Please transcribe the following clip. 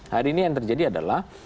hari ini yang terjadi adalah